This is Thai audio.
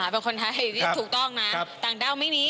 เป็นคนไทยที่ถูกต้องนะต่างด้าวไม่มี